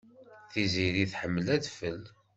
Tiziri tḥemmel adfel.